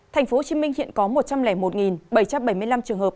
thành phố hồ chí minh hiện có một trăm linh một bảy trăm bảy mươi năm trường hợp